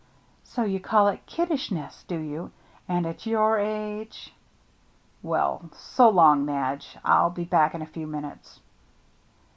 " So you call it kiddishness, do you, and at your age ?"" Well, so long now, Madge. Til be back in a few minutes."